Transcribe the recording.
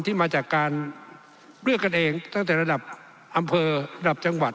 มาจากการเลือกกันเองตั้งแต่ระดับอำเภอระดับจังหวัด